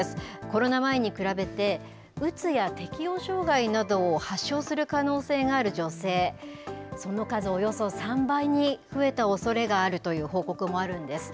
コロナ前に比べて、うつや適応障害などを発症する可能性がある女性、その数、およそ３倍に増えたおそれがあるという報告もあるんです。